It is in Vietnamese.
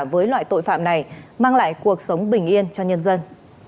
với loại tội phạm này mang lại cuộc sống bình yên cho nhân dân